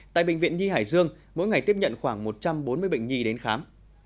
tại bệnh viện nhi hải dương mỗi ngày tiếp nhận khoảng một trăm bốn mươi bệnh nhi đến khám